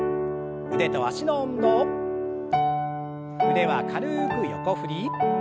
腕は軽く横振り。